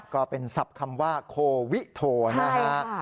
ก็เป็นศัพท์คำว่าโควิโทนะฮะ